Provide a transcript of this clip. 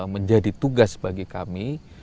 menjadi tugas bagi kami